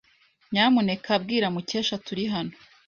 Nyamuneka bwira Mukesha turi hano.